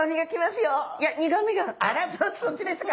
あらそっちでしたか。